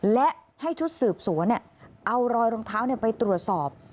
และให้ชุดสืบสวนเอารอยรองเท้าไปตรวจสอบ